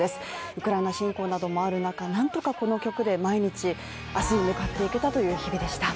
ウクライナ侵攻などもある中何とかこの曲で明日へ向かっていけたという日々でした。